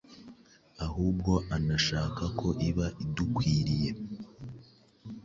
ahubwo anashaka ko iba idukwiriye,